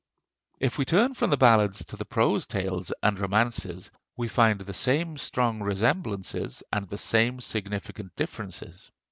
If we turn from the ballads to the prose tales and romances, we find the same strong resemblances and the same significant differences.